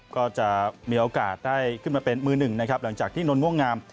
ก็จะมีโอกาสได้ขึ้นมาเป็นมือหนึ่งนะครับหลังจากที่นนทม่วงงาม